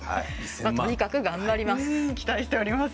とにかく、頑張ります。